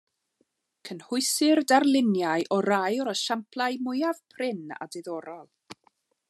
Cynhwysir darluniau o rai o'r esiamplau mwyaf prin a diddorol.